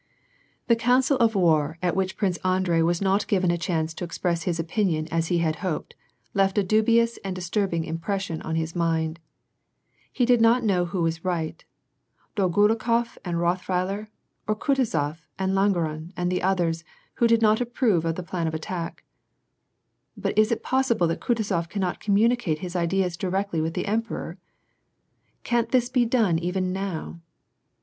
The council of war at which Prince Andrei was not given a chance to express his opinion as he had hoped, left a dubious and disturbing impression on his mind. He did not know who was right, Dolgonikof and Weirother, or Kutuzof and Lan geron, and the others who did not approve of the plan of attack. "But is it possible that Kutuzof cannot communicate his ideas directly with the emperor? Can't this be done even now